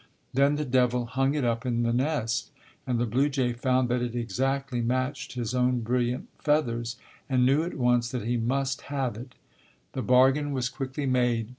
Then the devil hung it up in the nest, and the blue jay found that it exactly matched his own brilliant feathers, and knew at once that he must have it. The bargain was quickly made.